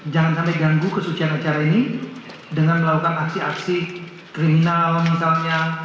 jangan sampai ganggu kesucian acara ini dengan melakukan aksi aksi kriminal misalnya